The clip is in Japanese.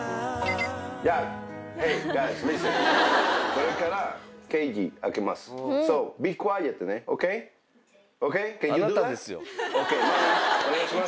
これからケージ開けます。